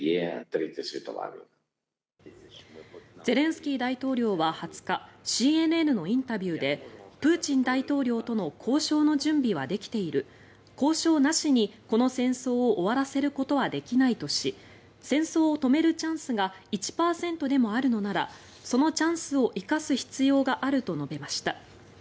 ゼレンスキー大統領は２０日ＣＮＮのインタビューでプーチン大統領との交渉の準備はできている交渉なしにこの戦争を終わらせることはできないとし戦争を止めるチャンスが１％でもあるのならそのチャンスを生かす必要があると述べました。